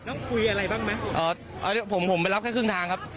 แล้วคุยอะไรบ้างไหมอ๋อผมผมไปรับแค่ครึ่งทางครับ